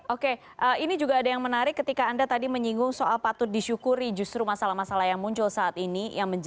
oke ini juga ada yang menarik ketika anda tadi menyinggung soal patut disyukuri justru masalah masalah yang muncul saat ini